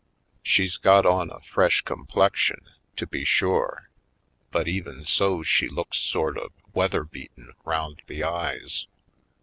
She's got on a fresh complexion, to be sure, but even so she looks sort of weath er beaten 'round the eyes.